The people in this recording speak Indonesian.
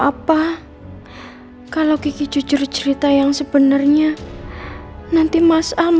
apa ada sesuatu yang gak bisa aku jelasin